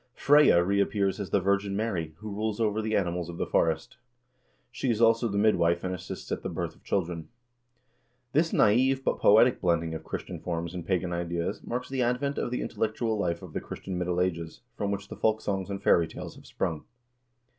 Freyja reappears as the Virgin Mary, who rules over the animals of the forest. She is also the midwife, and assists at the birth of children.1 This naive but poetic blending of Christian forms and pagan ideas marks the advent of the intel lectual life of the Christian Middle Ages, from which the folk songs and fairy tales have sprung.